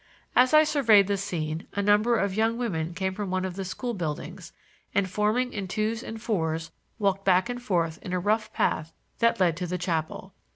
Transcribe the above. As I surveyed the scene a number of young women came from one of the school buildings and, forming in twos and fours, walked back and forth in a rough path that led to the chapel.